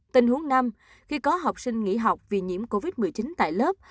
tình huống năm khi có học sinh nghỉ học vì nhiễm covid một mươi chín tại lớp